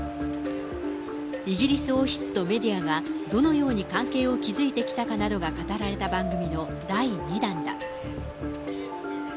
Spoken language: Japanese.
イギリス王室とメディアがどのように関係を築いてきたかなどが語られた番組の第２弾だ。